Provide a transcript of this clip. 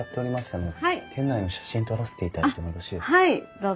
どうぞ。